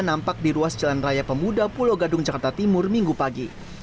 nampak di ruas jalan raya pemuda pulau gadung jakarta timur minggu pagi